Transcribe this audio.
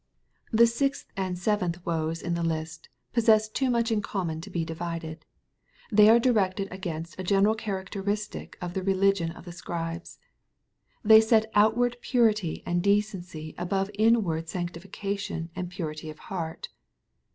The sixth and aeventh " woes'' in the list pos sess to t nmch in common to be divided. They are directed against a general cHaracteristic of the religion of the Scribes. They set outward purity and de cenc y above in ward sanctification and purity of heart.